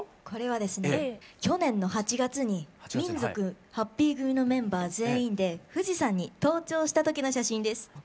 これはですね去年の８月に民族ハッピー組のメンバー全員で富士山に登頂したときの写真です。